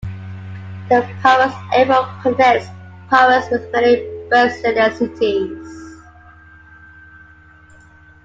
The Palmas Airport connects Palmas with many Brazilian cities.